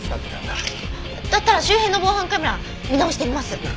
だったら周辺の防犯カメラ見直してみます。